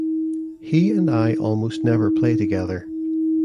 He and I almost never play together.